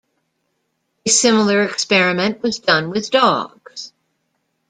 A similar experiment was done with dogs.